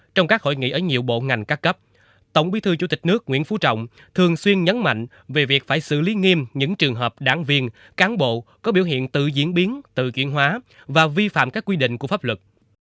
trong các hội nghị ở nhiều bộ ngành các cấp tổng bí thư chủ tịch nước nguyễn phú trọng thường xuyên nhấn mạnh về việc phải xử lý nghiêm những trường hợp đảng viên cán bộ có biểu hiện tự diễn biến tự chuyển hóa và vi phạm các quy định của pháp luật